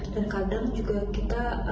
dan kadang juga kita